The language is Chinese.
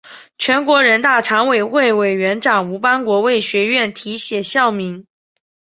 全国人大常委会委员长吴邦国为学院题写校名。